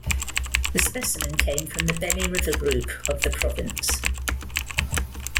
The specimen came from the Belly River Group of the province.